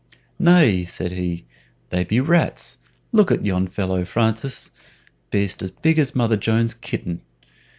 "Nay," said he, "they be rats. Look at yon fellow, Francis! Be'st as big as Mother Joan's kitten.